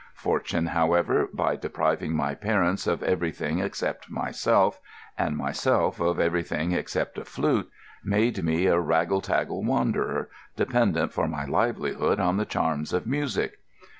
Fortune, however, by depriving my parents of everything except myself, and myself of everything except a flute, made me a raggle taggle wanderer, dependent for my livelihood on the charms of music.